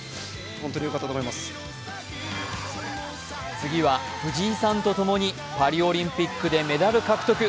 次は藤井さんとともにパリオリンピックでメダル獲得。